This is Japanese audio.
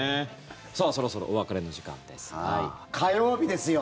さあ、そろそろお別れの時間ですが。